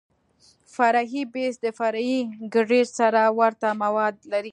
فرعي بیس د فرعي ګریډ سره ورته مواد لري